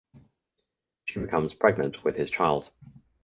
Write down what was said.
She becomes pregnant with his child.